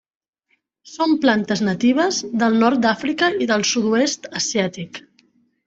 Són plantes natives del nord d'Àfrica i dels sud-oest asiàtic.